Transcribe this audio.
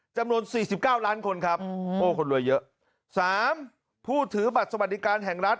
จำนวนสี่สิบเก้าล้านคนครับโอ้คนรวยเยอะสามผู้ถือบัตรสวัสดิการแห่งรัฐ